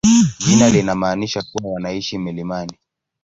Jina linamaanisha kuwa wanaishi milimani.